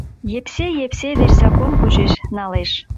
Епсей Епсей деч закон почеш налеш.